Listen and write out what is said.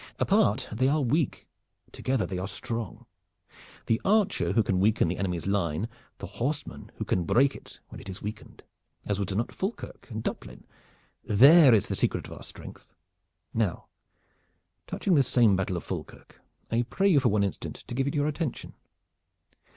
Apart they are weak. Together they are strong. The archer who can weaken the enemy's line, the horseman who can break it when it is weakened, as was done at Falkirk and Duplin, there is the secret of our strength. Now touching this same battle of Falkirk, I pray you for one instant to give it your attention."